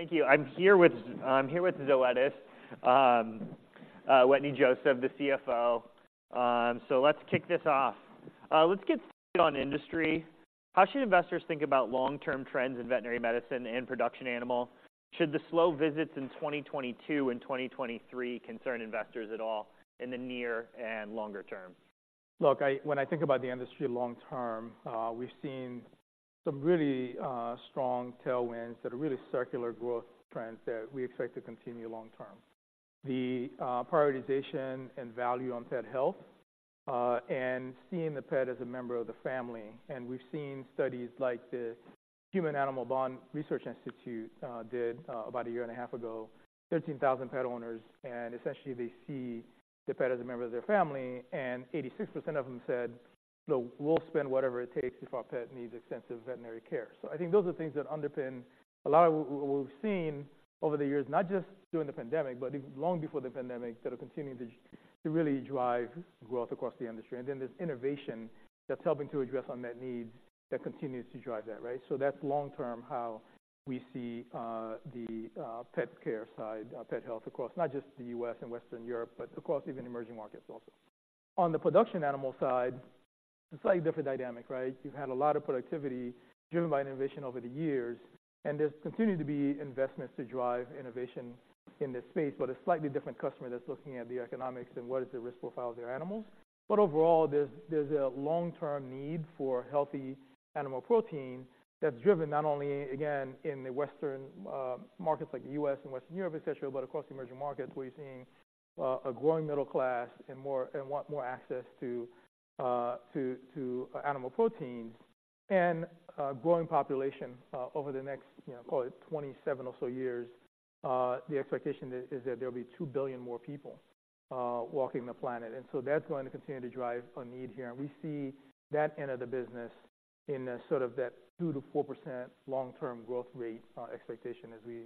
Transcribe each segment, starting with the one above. Thank you. I'm here with Zoetis, Wetteny Joseph, the CFO. So let's kick this off. Let's get on industry. How should investors think about long-term trends in veterinary medicine and production animal? Should the slow visits in 2022 and 2023 concern investors at all in the near and longer term? Look, when I think about the industry long term, we've seen some really strong tailwinds that are really secular growth trends that we expect to continue long term. The prioritization and value on pet health and seeing the pet as a member of the family. And we've seen studies like the Human Animal Bond Research Institute did about a year and a half ago, 13,000 pet owners, and essentially they see the pet as a member of their family, and 86% of them said, "So we'll spend whatever it takes if our pet needs extensive veterinary care." So I think those are things that underpin a lot of what we've seen over the years, not just during the pandemic, but long before the pandemic, that are continuing to really drive growth across the industry. Then there's innovation that's helping to address unmet needs that continues to drive that, right? So that's long term, how we see the pet care side, pet health across not just the U.S. and Western Europe, but across even emerging markets also. On the production animal side, it's a slightly different dynamic, right? You've had a lot of productivity driven by innovation over the years, and there's continued to be investments to drive innovation in this space, but a slightly different customer that's looking at the economics and what is the risk profile of their animals. But overall, there's a long-term need for healthy animal protein that's driven not only, again, in the Western markets like the U.S. and Western Europe, et cetera, but across the emerging markets, where you're seeing a growing middle class and more and want more access to animal proteins. And growing population over the next, you know, call it 27 or so years, the expectation is that there will be 2 billion more people walking the planet. And so that's going to continue to drive a need here. And we see that end of the business in a sort of that 2%-4% long-term growth rate expectation as we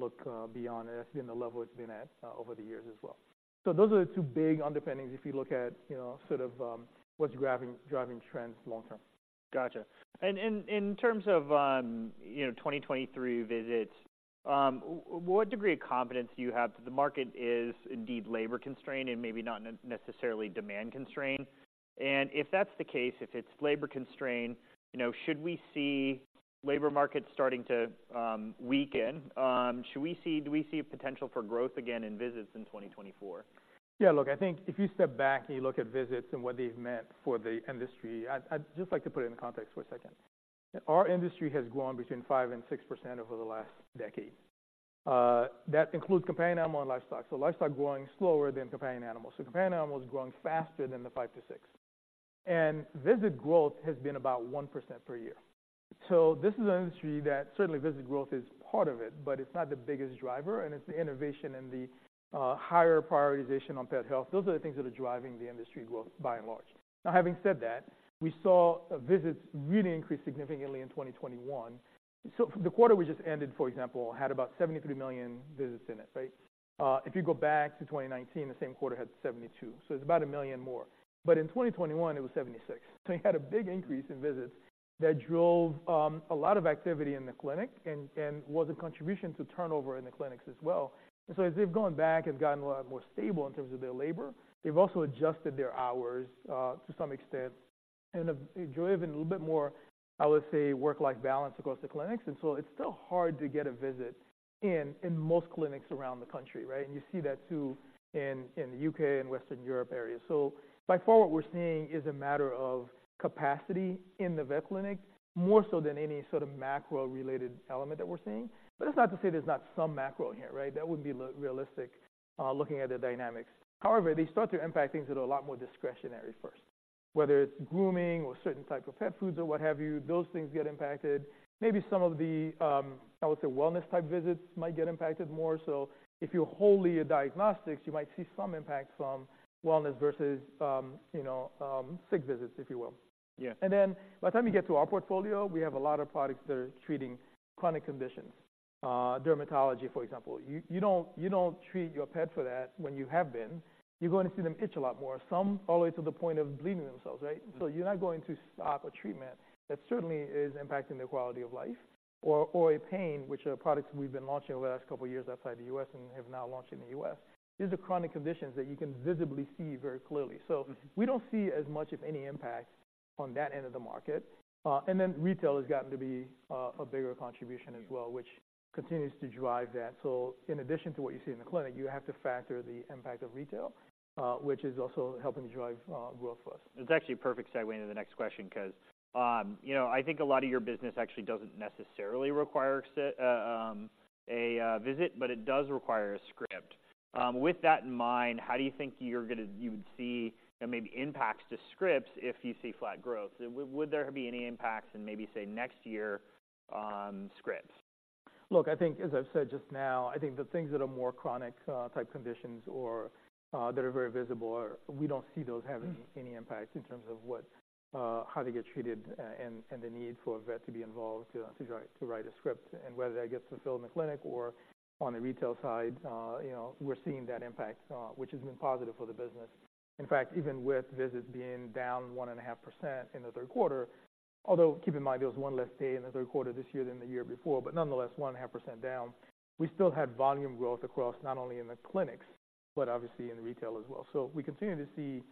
look beyond. That's been the level it's been at over the years as well. Those are the two big underpinnings if you look at, you know, sort of, what's driving trends long term. Gotcha. In terms of 2023 visits, what degree of confidence do you have that the market is indeed labor constrained and maybe not necessarily demand constrained? And if that's the case, if it's labor constrained, you know, should we see labor markets starting to weaken? Should we see - do we see a potential for growth again in visits in 2024? Yeah, look, I think if you step back and you look at visits and what they've meant for the industry, I'd just like to put it in context for a second. Our industry has grown between 5% and 6% over the last decade. That includes companion animal and livestock. So livestock growing slower than companion animals. So companion animals growing faster than the 5%-6%. And visit growth has been about 1% per year. So this is an industry that certainly visit growth is part of it, but it's not the biggest driver, and it's the innovation and the higher prioritization on pet health. Those are the things that are driving the industry growth, by and large. Now, having said that, we saw visits really increase significantly in 2021. So the quarter we just ended, for example, had about 73 million visits in it, right? If you go back to 2019, the same quarter had 72, so it's about 1 million more. But in 2021, it was 76. So you had a big increase in visits that drove a lot of activity in the clinic and was a contribution to turnover in the clinics as well. And so as they've gone back and gotten a lot more stable in terms of their labor, they've also adjusted their hours to some extent and have driven a little bit more, I would say, work-life balance across the clinics. And so it's still hard to get a visit in most clinics around the country, right? And you see that too in the U.K. and Western Europe areas. So by far, what we're seeing is a matter of capacity in the vet clinic, more so than any sort of macro-related element that we're seeing. But that's not to say there's not some macro in here, right? That would be unrealistic, looking at the dynamics. However, they start to impact things that are a lot more discretionary first, whether it's grooming or certain type of pet foods or what have you, those things get impacted. Maybe some of the, I would say, wellness-type visits might get impacted more. So if you're wholly a diagnostics, you might see some impact from wellness versus, you know, sick visits, if you will. Yeah. And then by the time you get to our portfolio, we have a lot of products that are treating chronic conditions. Dermatology, for example. You don't treat your pet for that when you have been. You're going to see them itch a lot more, some all the way to the point of bleeding themselves, right? Mm-hmm. So you're not going to stop a treatment that certainly is impacting their quality of life or a pain, which are products we've been launching over the last couple of years outside the U.S. and have now launched in the U.S. These are chronic conditions that you can visibly see very clearly. Mm-hmm. So we don't see as much of any impact on that end of the market. And then retail has gotten to be a bigger contribution as well, which continues to drive that. So in addition to what you see in the clinic, you have to factor the impact of retail, which is also helping to drive growth for us. It's actually a perfect segue into the next question, because, you know, I think a lot of your business actually doesn't necessarily require a visit, but it does require a script. With that in mind, how do you think you would see, you know, maybe impacts to scripts if you see flat growth? Would there be any impacts in maybe, say, next year, scripts? Look, I think as I've said just now, I think the things that are more chronic type conditions or that are very visible, we don't see those having any impact in terms of what how they get treated, and the need for a vet to be involved to write a script. And whether that gets fulfilled in the clinic or on the retail side, you know, we're seeing that impact, which has been positive for the business. In fact, even with visits being down 1.5% in the third quarter, although keep in mind, there was one less day in the third quarter this year than the year before, but nonetheless, 1.5% down. We still had volume growth across, not only in the clinics, but obviously in retail as well. So we continue to see,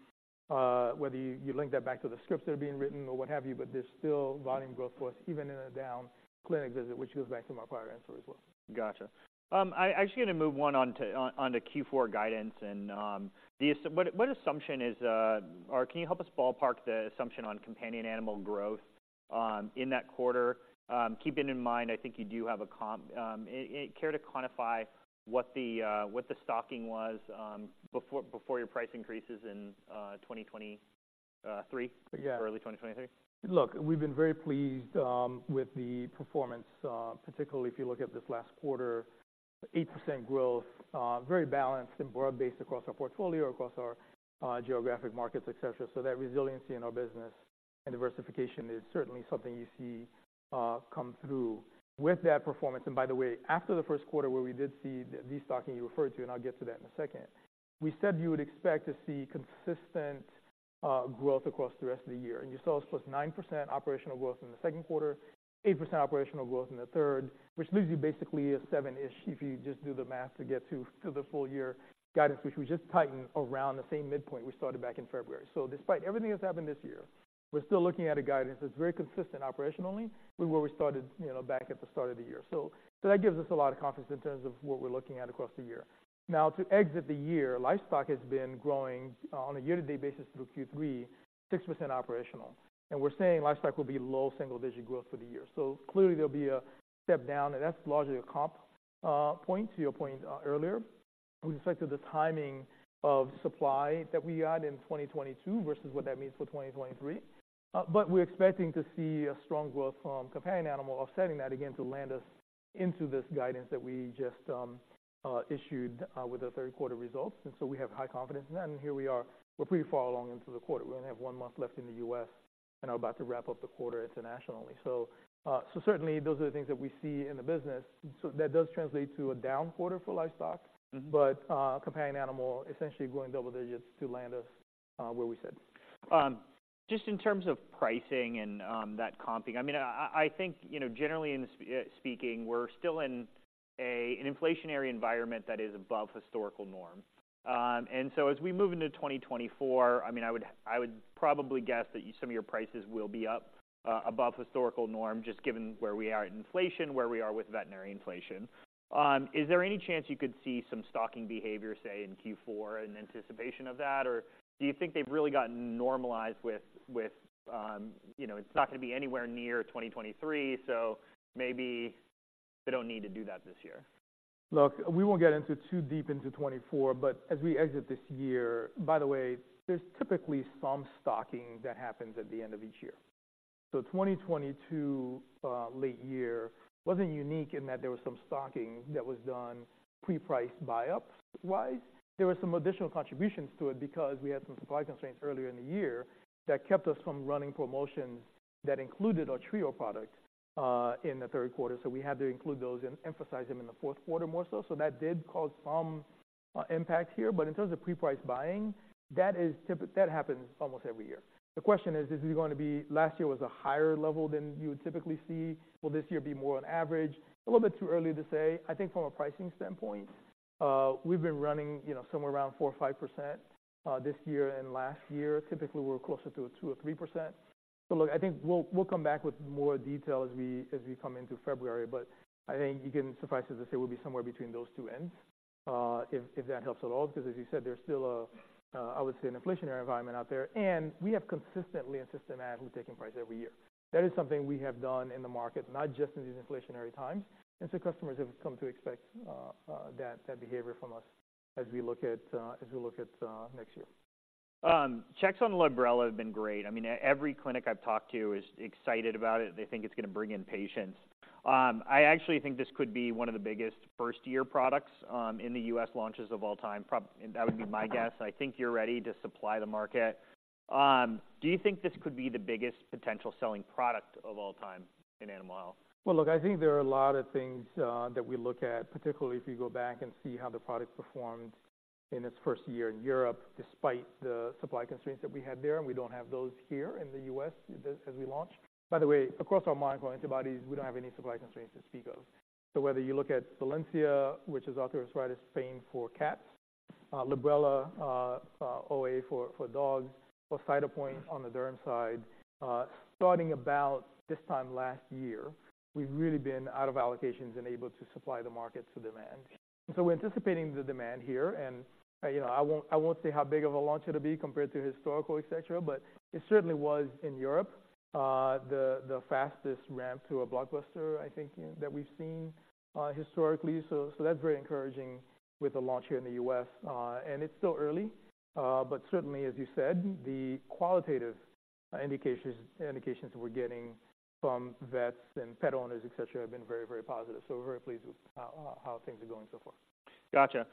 whether you link that back to the scripts that are being written or what have you, but there's still volume growth for us, even in a down clinic visit, which goes back to my prior answer as well. Gotcha. I actually gonna move on to Q4 guidance and what assumption is or can you help us ballpark the assumption on companion animal growth in that quarter? Keeping in mind, I think you do have a comp and care to quantify what the stocking was before your price increases in 2023? Yeah. Early 2023. Look, we've been very pleased with the performance, particularly if you look at this last quarter, 8% growth, very balanced and broad-based across our portfolio, across our geographic markets, et cetera. So that resiliency in our business and diversification is certainly something you see come through with that performance. And by the way, after the first quarter where we did see the destocking you referred to, and I'll get to that in a second, we said you would expect to see consistent growth across the rest of the year, and you saw us +9% operational growth in the second quarter, 8% operational growth in the third, which leaves you basically a seven-ish, if you just do the math to get to the full year guidance, which we just tightened around the same midpoint we started back in February. So despite everything that's happened this year, we're still looking at a guidance that's very consistent operationally with where we started, you know, back at the start of the year. So, so that gives us a lot of confidence in terms of what we're looking at across the year. Now, to exit the year, livestock has been growing on a year-to-date basis through Q3, 6% operational, and we're saying livestock will be low single-digit growth for the year. So clearly, there'll be a step down, and that's largely a comp point, to your point earlier, with respect to the timing of supply that we had in 2022 versus what that means for 2023. But we're expecting to see a strong growth from companion animal, offsetting that again to land us into this guidance that we just issued with the third quarter results. And so we have high confidence in that, and here we are. We're pretty far along into the quarter. We only have one month left in the U.S. and are about to wrap up the quarter internationally. So certainly those are the things that we see in the business. So that does translate to a down quarter for livestock- Mm-hmm. But, companion animal essentially growing double digits to land us, where we said. Just in terms of pricing and, that comping, I mean, I think, you know, generally in speaking, we're still in an inflationary environment that is above historical norm. And so as we move into 2024, I mean, I would probably guess that some of your prices will be up, above historical norm, just given where we are at inflation, where we are with veterinary inflation. Is there any chance you could see some stocking behavior, say, in Q4 in anticipation of that? Or do you think they've really gotten normalized with, you know, it's not gonna be anywhere near 2023, so maybe they don't need to do that this year? Look, we won't get into too deep into 2024, but as we exit this year... By the way, there's typically some stocking that happens at the end of each year. So 2022, late year wasn't unique in that there was some stocking that was done pre-price buy-ups wide. There were some additional contributions to it because we had some supply constraints earlier in the year that kept us from running promotions that included our Trio product in the third quarter. So we had to include those and emphasize them in the fourth quarter, more so. So that did cause some impact here. But in terms of pre-price buying, that happens almost every year. The question is, is it going to be... Last year was a higher level than you would typically see. Will this year be more on average? A little bit too early to say. I think from a pricing standpoint, we've been running, you know, somewhere around 4 or 5%, this year and last year. Typically, we're closer to a 2 or 3%. But look, I think we'll come back with more detail as we come into February, but I think you can suffice it to say we'll be somewhere between those two ends, if that helps at all, because as you said, there's still a, I would say, an inflationary environment out there, and we have consistently and systematically taken price every year. That is something we have done in the market, not just in these inflationary times, and so customers have come to expect that behavior from us as we look at next year. Checks on Librela have been great. I mean, every clinic I've talked to is excited about it. They think it's gonna bring in patients. I actually think this could be one of the biggest first-year products, in the U.S. launches of all time. That would be my guess. I think you're ready to supply the market. Do you think this could be the biggest potential selling product of all time in animal health? Well, look, I think there are a lot of things that we look at, particularly if you go back and see how the product performed in its first year in Europe, despite the supply constraints that we had there, and we don't have those here in the U.S. as we launch. By the way, across our monoclonal antibodies, we don't have any supply constraints to speak of. So whether you look at Solensia, which is arthritis pain for cats, Librela, OA for dogs, or Cytopoint on the derm side, starting about this time last year, we've really been out of allocations and able to supply the market to demand. So we're anticipating the demand here, and, you know, I won't, I won't say how big of a launch it'll be compared to historical, et cetera, but it certainly was in Europe, the fastest ramp to a blockbuster, I think, that we've seen, historically. So that's very encouraging with the launch here in the U.S. And it's still early, but certainly, as you said, the qualitative indications we're getting from vets and pet owners, et cetera, have been very, very positive. So we're very pleased with how things are going so far. Gotcha.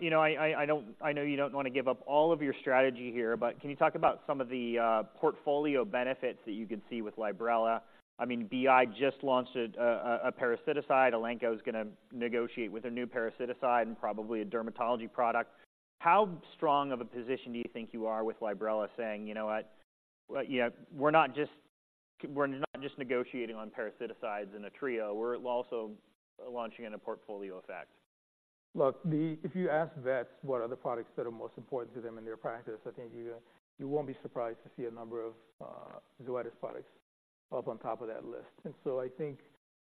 You know, I don't—I know you don't wanna give up all of your strategy here, but can you talk about some of the portfolio benefits that you could see with Librela? I mean, BI just launched a parasiticide. Elanco is gonna negotiate with a new parasiticide and probably a dermatology product. How strong of a position do you think you are with Librela saying, "You know what? We, you know, we're not just... We're not just negotiating on parasiticides in a Trio, we're also launching in a portfolio effect. Look, if you ask vets what are the products that are most important to them in their practice, I think you won't be surprised to see a number of Zoetis products up on top of that list. And so I think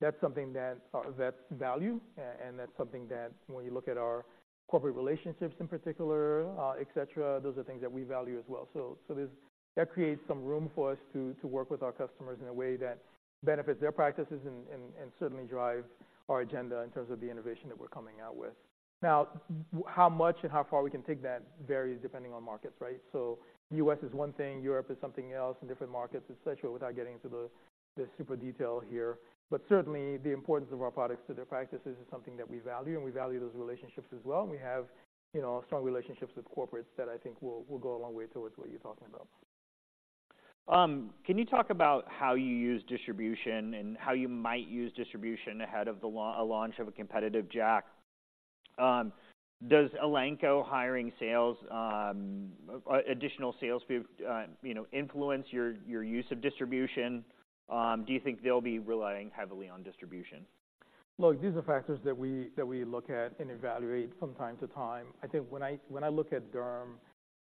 that's something that vets value, and that's something that when you look at our corporate relationships in particular, et cetera, those are things that we value as well. So that creates some room for us to work with our customers in a way that benefits their practices and certainly drive our agenda in terms of the innovation that we're coming out with. Now, how much and how far we can take that varies depending on markets, right? So U.S. is one thing, Europe is something else, and different markets, et cetera, without getting into the super detail here. But certainly, the importance of our products to their practices is something that we value, and we value those relationships as well. We have, you know, strong relationships with corporates that I think will go a long way towards what you're talking about. Can you talk about how you use distribution and how you might use distribution ahead of a launch of a competitive JAK? Does Elanco hiring sales, or additional sales people, you know, influence your use of distribution? Do you think they'll be relying heavily on distribution? Look, these are factors that we look at and evaluate from time to time. I think when I look at derm,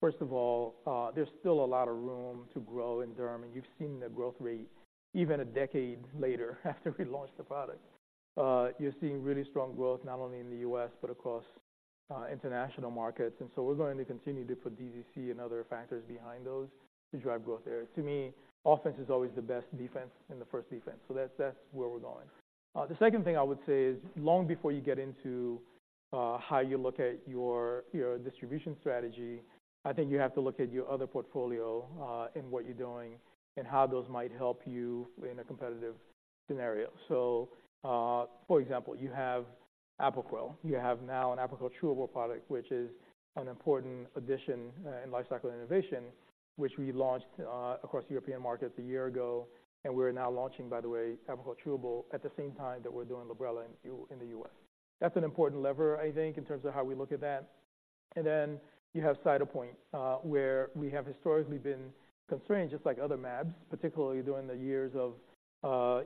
first of all, there's still a lot of room to grow in derm, and you've seen the growth rate even a decade later, after we launched the product. You're seeing really strong growth, not only in the U.S., but across international markets, and so we're going to continue to put DTC and other factors behind those to drive growth there. To me, offense is always the best defense and the first defense, so that's where we're going. The second thing I would say is, long before you get into how you look at your distribution strategy, I think you have to look at your other portfolio, and what you're doing and how those might help you in a competitive scenario. So, for example, you have Apoquel. You have now an Apoquel Chewable product, which is an important addition in lifecycle innovation, which we launched across European markets a year ago. And we're now launching, by the way, Apoquel Chewable at the same time that we're doing Librela in the U.S. That's an important lever, I think, in terms of how we look at that. And then you have Cytopoint, where we have historically been constrained, just like other mAbs, particularly during the years of,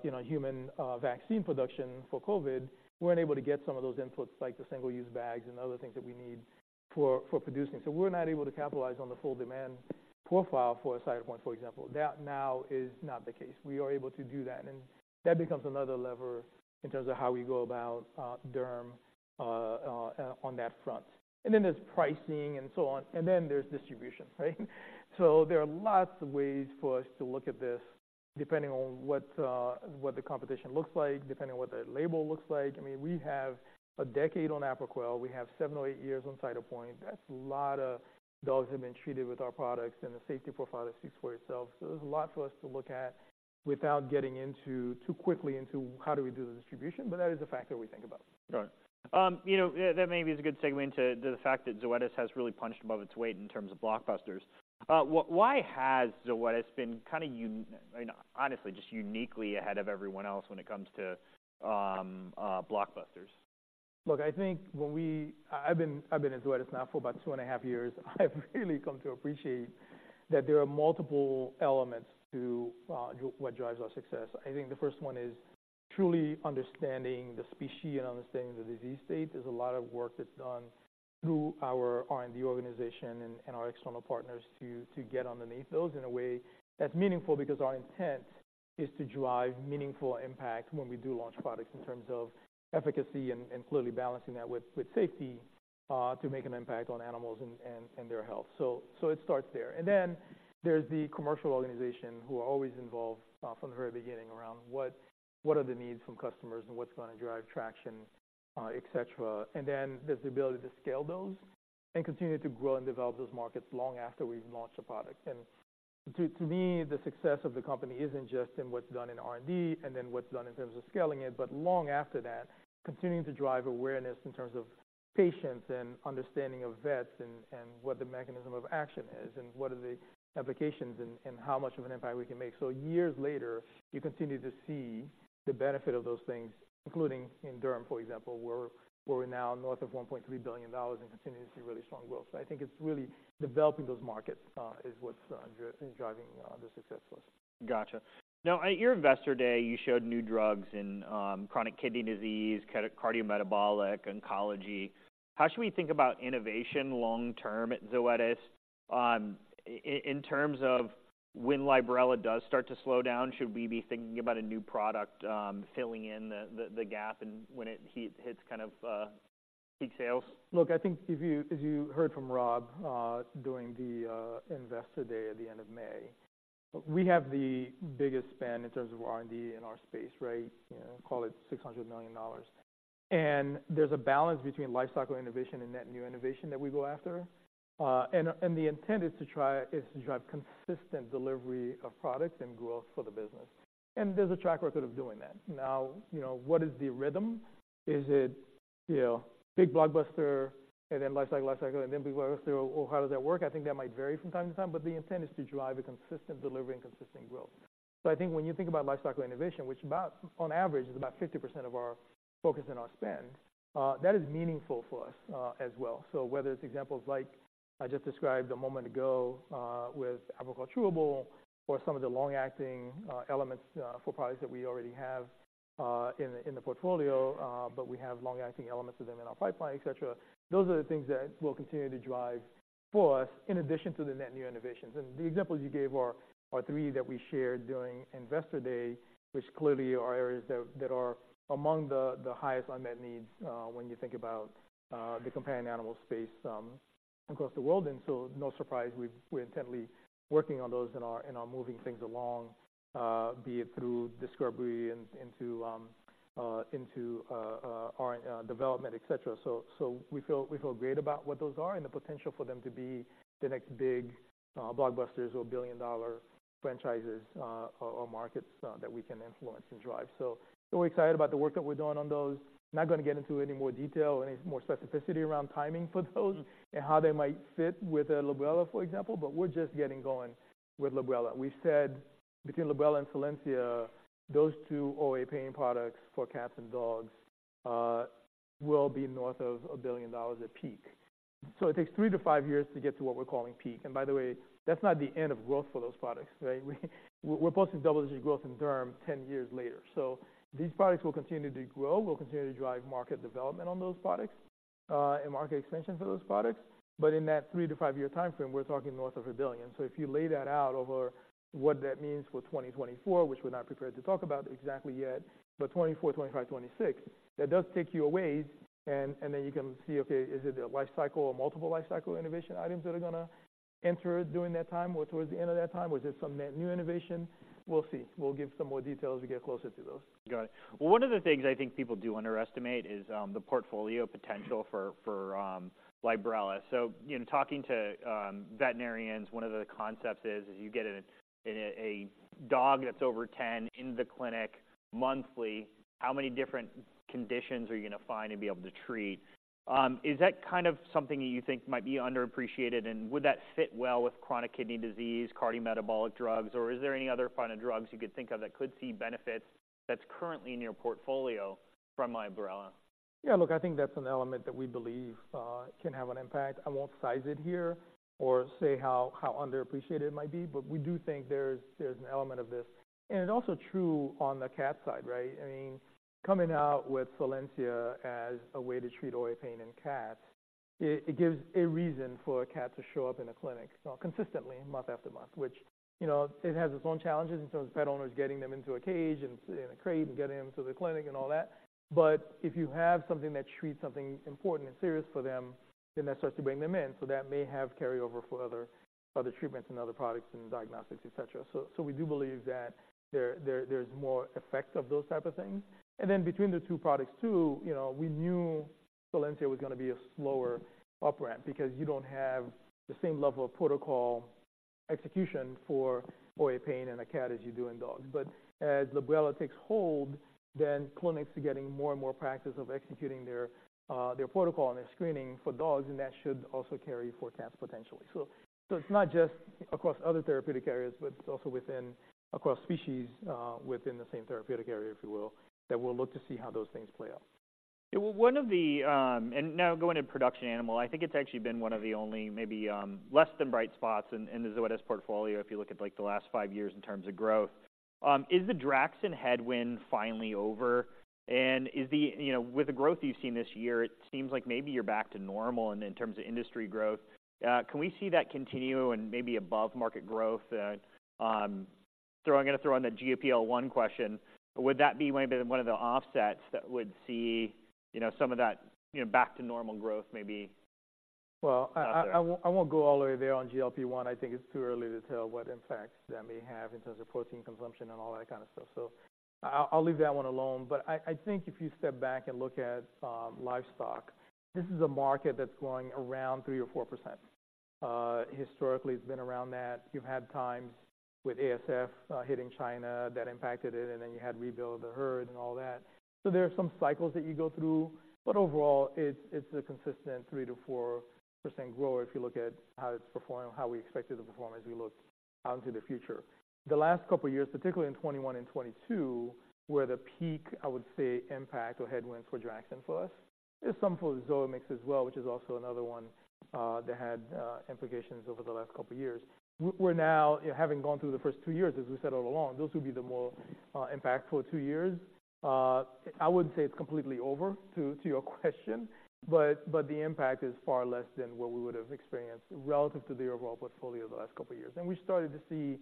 you know, human vaccine production for COVID. We weren't able to get some of those inputs, like the single-use bags and other things that we need for producing. So we're not able to capitalize on the full demand profile for Cytopoint, for example. That now is not the case. We are able to do that, and that becomes another lever in terms of how we go about, derm, on that front. And then there's pricing and so on. And then there's distribution, right? So there are lots of ways for us to look at this, depending on what, what the competition looks like, depending on what the label looks like. I mean, we have a decade on Apoquel. We have 7 or 8 years on Cytopoint. That's a lot of dogs have been treated with our products, and the safety profile speaks for itself. So there's a lot for us to look at without getting into too quickly into how do we do the distribution, but that is a factor we think about. Got it. You know, yeah, that maybe is a good segue into the fact that Zoetis has really punched above its weight in terms of blockbusters. Why has Zoetis been kind of uniquely ahead of everyone else when it comes to blockbusters? Look, I think when we... I've been at Zoetis now for about 2.5 years. I've really come to appreciate that there are multiple elements to what drives our success. I think the first one is truly understanding the species and understanding the disease state. There's a lot of work that's done through our R&D organization and our external partners to get underneath those in a way that's meaningful, because our intent is to drive meaningful impact when we do launch products, in terms of efficacy and clearly balancing that with safety to make an impact on animals and their health. So it starts there. And then there's the commercial organization, who are always involved from the very beginning around what are the needs from customers and what's gonna drive traction, et cetera. And then there's the ability to scale those and continue to grow and develop those markets long after we've launched the product. To me, the success of the company isn't just in what's done in R&D and then what's done in terms of scaling it, but long after that, continuing to drive awareness in terms of patients and understanding of vets and what the mechanism of action is, and what are the applications and how much of an impact we can make. So years later, you continue to see the benefit of those things, including in derm, for example, where we're now north of $1.3 billion and continuing to see really strong growth. So I think it's really developing those markets is what's driving the success for us. Gotcha. Now, at your Investor Day, you showed new drugs in chronic kidney disease, cardiometabolic, oncology. How should we think about innovation long term at Zoetis? In terms of when Librela does start to slow down, should we be thinking about a new product filling in the gap and when it hits kind of peak sales? Look, I think if you, if you heard from Rob, during the Investor Day at the end of May, we have the biggest spend in terms of R&D in our space, right? You know, call it $600 million. And there's a balance between lifecycle innovation and net new innovation that we go after. And the intent is to drive consistent delivery of products and growth for the business, and there's a track record of doing that. Now, you know, what is the rhythm? Is it, you know, big blockbuster and then lifecycle, lifecycle, and then blockbuster, or how does that work? I think that might vary from time to time, but the intent is to drive a consistent delivery and consistent growth. So I think when you think about lifecycle innovation, which is about, on average, 50% of our focus and our spend, that is meaningful for us, as well. So whether it's examples like I just described a moment ago with Apoquel Chewable, or some of the long-acting elements for products that we already have in the portfolio, but we have long-acting elements of them in our pipeline, et cetera. Those are the things that will continue to drive for us, in addition to the net new innovations. And the examples you gave are three that we shared during Investor Day, which clearly are areas that are among the highest unmet needs when you think about the companion animal space across the world. No surprise, we're intently working on those and are moving things along, be it through discovery and into our development, et cetera. So we feel great about what those are and the potential for them to be the next big blockbusters or billion-dollar franchises, or markets that we can influence and drive. So we're excited about the work that we're doing on those. Not gonna get into any more detail, any more specificity around timing for those, and how they might fit with Librela, for example, but we're just getting going with Librela. We said between Librela and Solensia, those two OA pain products for cats and dogs, will be north of $1 billion at peak. So it takes 3-5 years to get to what we're calling peak. And by the way, that's not the end of growth for those products, right? We're posting double-digit growth in derm 10 years later. So these products will continue to grow. We'll continue to drive market development on those products and market expansion for those products. But in that 3-5-year timeframe, we're talking north of $1 billion. So if you lay that out over what that means for 2024, which we're not prepared to talk about exactly yet, but 2024, 2025, 2026, that does take you a ways. And then you can see, okay, is it a lifecycle or multiple lifecycle innovation items that are gonna enter during that time, or towards the end of that time? Or is it some net new innovation? We'll see. We'll give some more details as we get closer to those. Got it. Well, one of the things I think people do underestimate is the portfolio potential for Librela. So, in talking to veterinarians, one of the concepts is, if you get a dog that's over 10 in the clinic monthly, how many different conditions are you gonna find and be able to treat? Is that kind of something that you think might be underappreciated, and would that fit well with chronic kidney disease, cardiometabolic drugs, or is there any other kind of drugs you could think of that could see benefits that's currently in your portfolio from Librela? Yeah, look, I think that's an element that we believe can have an impact. I won't size it here or say how underappreciated it might be, but we do think there's an element of this. And it's also true on the cat side, right? I mean, coming out with Solensia as a way to treat OA pain in cats, it gives a reason for a cat to show up in a clinic consistently, month after month. Which, you know, it has its own challenges in terms of pet owners getting them into a cage, and in a crate, and getting them to the clinic, and all that. But if you have something that treats something important and serious for them, then that starts to bring them in. So that may have carryover for other treatments and other products and diagnostics, et cetera. So we do believe that there's more effects of those type of things. And then between the two products too, you know, we knew Solensia was gonna be a slower upfront, because you don't have the same level of protocol execution for OA pain in a cat as you do in dogs. But as Librela takes hold, then clinics are getting more and more practice of executing their their protocol and their screening for dogs, and that should also carry for cats potentially. It's not just across other therapeutic areas, but it's also within across species within the same therapeutic area, if you will, that we'll look to see how those things play out. Yeah, well, one of the, And now going to production animal, I think it's actually been one of the only maybe, less than bright spots in, in the Zoetis portfolio, if you look at, like, the last five years in terms of growth. Is the Draxxin headwind finally over? And is the You know, with the growth you've seen this year, it seems like maybe you're back to normal in terms of industry growth. Can we see that continue and maybe above market growth, throwing- I'm gonna throw in that GLP-1 question. Would that be maybe one of the offsets that would see, you know, some of that, you know, back-to-normal growth, maybe? Well, I won't go all the way there on GLP-1. I think it's too early to tell what impacts that may have in terms of protein consumption and all that kind of stuff. So I'll leave that one alone. But I think if you step back and look at livestock, this is a market that's growing around 3 or 4%. Historically, it's been around that. You've had times with ASF hitting China that impacted it, and then you had to rebuild the herd and all that. So there are some cycles that you go through, but overall, it's a consistent 3%-4% growth if you look at how it's performing, how we expect it to perform as we look out into the future. The last couple of years, particularly in 2021 and 2022, were the peak, I would say, impact or headwind for Draxxin for us. There's some for the Zoamix as well, which is also another one, that had, implications over the last couple of years. We're now, having gone through the first two years, as we said all along, those would be the more, impactful two years. I wouldn't say it's completely over, to your question, but the impact is far less than what we would have experienced relative to the overall portfolio the last couple of years. And we started to see,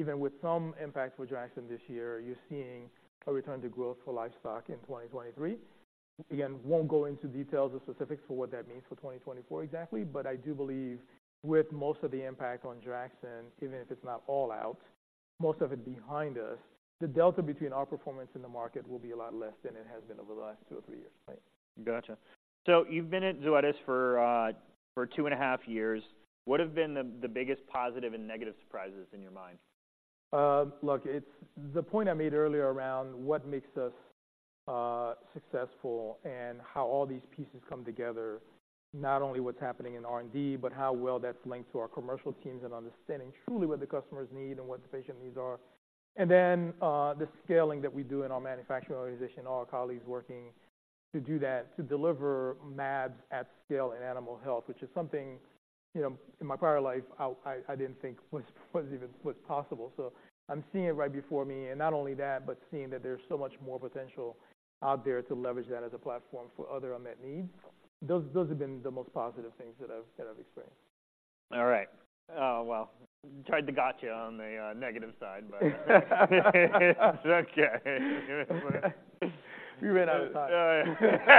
even with some impact for Draxxin this year, you're seeing a return to growth for livestock in 2023. Again, won't go into details or specifics for what that means for 2024 exactly, but I do believe with most of the impact on Draxxin, even if it's not all out, most of it behind us, the delta between our performance and the market will be a lot less than it has been over the last two or three years. Right. Gotcha. So you've been at Zoetis for two and a half years. What have been the biggest positive and negative surprises in your mind? Look, it's the point I made earlier around what makes us successful and how all these pieces come together, not only what's happening in R&D, but how well that's linked to our commercial teams and understanding truly what the customers need and what the patient needs are. And then, the scaling that we do in our manufacturing organization, all our colleagues working to do that, to deliver mAbs at scale in animal health, which is something, you know, in my prior life, I didn't think was even possible. So I'm seeing it right before me, and not only that, but seeing that there's so much more potential out there to leverage that as a platform for other unmet needs. Those have been the most positive things that I've experienced. All right. Oh, well, tried the gotcha on the negative side, but-... It's okay. We ran out of time.